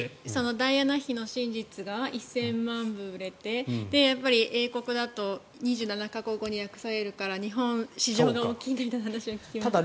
ダイアナ妃の真実が１０００万部売れて英国だと２７か国語に訳されるから市場が大きいという話をしていましたが。